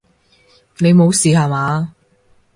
你無事吓嘛！